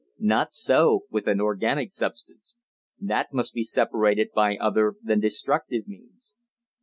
Not so with an organic substance; that must be separated by other than destructive means.